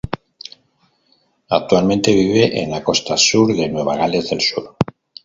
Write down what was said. Actualmente vive en la costa sur de Nueva Gales del Sur.